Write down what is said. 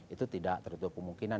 itu tidak terdiri dari kemungkinan